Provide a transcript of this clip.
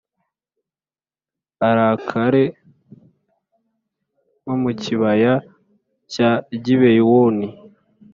arakare nko mu kibaya cya Gibewoni,